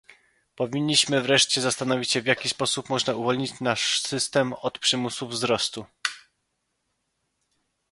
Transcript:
Powinniśmy wreszcie zastanowić się, w jaki sposób można uwolnić nasz system od przymusu wzrostu